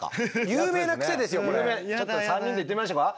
有名ちょっと３人で言ってみましょうか。